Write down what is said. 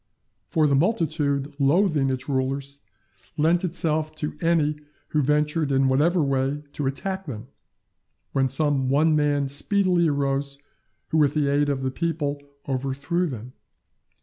For the multitude loathing its rulers, lent itself to any who ventured, in whatever way, to attack them; when some one man speedily arose who with the aid of the people overthrew them.